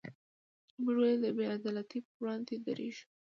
موږ ولې د بې عدالتۍ پر وړاندې دریږو؟